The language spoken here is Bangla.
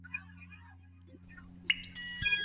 প্রকৃতি মানবগােষ্ঠী চায় নি।